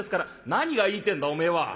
「何が言いてえんだお前は」。